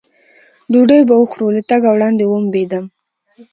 ډوډۍ به وخورو، له تګه وړاندې ومبېدم.